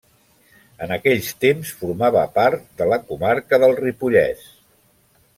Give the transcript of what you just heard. En aquells temps formava part de la comarca del Ripollès.